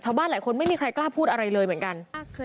หลายคนไม่มีใครกล้าพูดอะไรเลยเหมือนกัน